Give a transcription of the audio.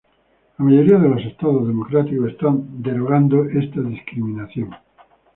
La mayoría de los estados democráticos están derogando esta discriminación.